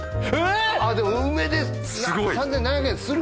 あっでも梅で３７００円する？